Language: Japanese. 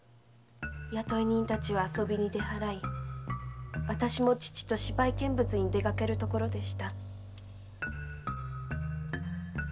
雇い人たちは遊びに出払いわたしも父と芝居見物に出かけるところでした。